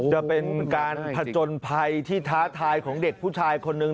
จะเป็นการผจญภัยที่ท้าทายของเด็กผู้ชายคนนึง